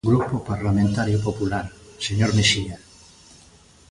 Grupo Parlamentario Popular, señor Mexía.